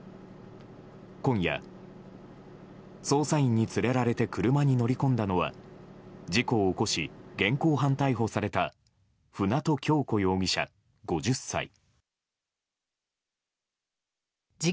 今夜、捜査員に連れられて車に乗り込んだのは事故を起こし現行犯逮捕された舟渡今日子容疑者、５０歳。